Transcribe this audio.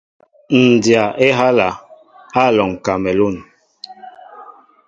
Ǹ dya á ehálā , Á alɔŋ kamelûn.